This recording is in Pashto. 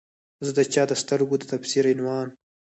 زه د چا د سترګو د تفسیر عنوان